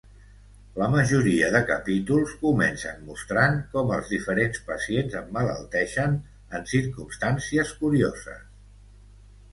La majoria de capítols comencen mostrant com els diferents pacients emmalalteixen en circumstàncies curioses.